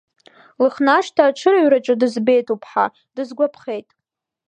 Лыхнашҭа аҽырыҩраҿы дызбеит уԥҳа, дысгәаԥхеит.